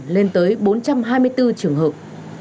lên tới bốn trăm hai mươi bốn trường hợp